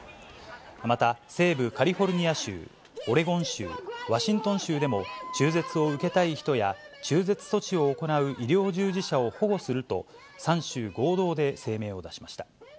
また、西部カリフォルニア州、オレゴン州、ワシントン州でも、中絶を受けたい人や、中絶措置を行う医療従事者を保護すると３州合同で声明を出しました。